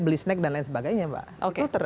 beli snack dan lain sebagainya pak